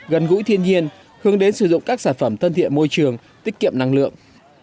gần gũi thiên nhiên hướng đến sử dụng các sản phẩm thân thiện môi trường tiết kiệm năng lượng